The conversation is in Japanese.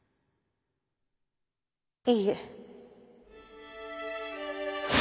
いいえ。